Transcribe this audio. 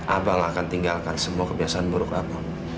abang akan tinggalkan semua kebiasaan buruk abang